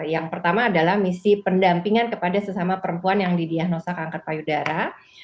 yang pertama adalah misi pendampingan kepada sesama perempuan yang didiagnosa kanker payudara